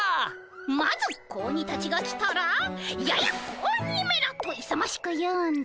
まず子鬼たちが来たら「ややっ子鬼めらっ！」といさましく言うんだ。